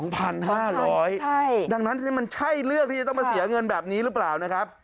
ดังนั้นมันใช่เลือกที่จะต้องมาเสียเงินแบบนี้หรือเปล่านะครับ